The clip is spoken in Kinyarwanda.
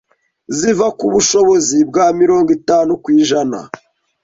ziva ku bushobozi bwa mirongo itanu kwijana